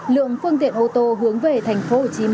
lượng phương tiện ô tô hướng về tp hcm